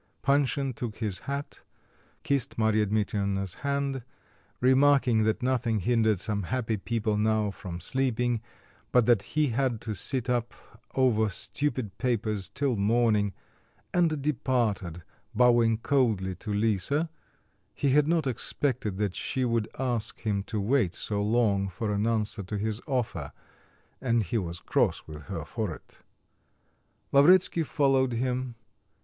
Panshin took his hat, kissed Marya Dmitrievna's hand, remarking that nothing hindered some happy people now from sleeping, but that he had to sit up over stupid papers till morning, and departed, bowing coldly to Lisa (he had not expected that she would ask him to wait so long for an answer to his offer, and he was cross with her for it). Lavretsky followed him.